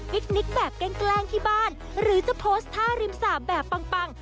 คนนิกแบบแกล้งที่บ้านหรือจะโพสต์ท่าริมสาบแบบปัง